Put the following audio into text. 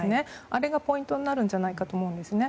あれがポイントになるんじゃないかと思うんですね。